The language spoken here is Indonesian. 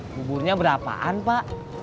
bu burnya berapaan pak